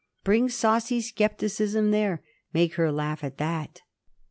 Bring saucy Scepticism there; make her laugh at that